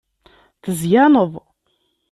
Tezyaneḍ.